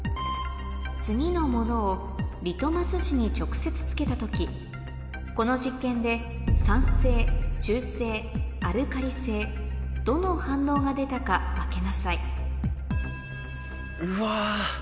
次のものをリトマス紙に直接つけた時この実験で酸性中性アルカリ性どの反応が出たか分けなさい